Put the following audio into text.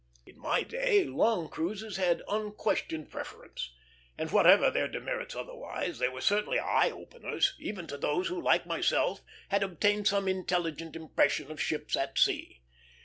In my day long cruises had unquestioned preference; and, whatever their demerits otherwise, they were certainly eye openers, even to those who, like myself, had obtained some intelligent impression of ships at sea.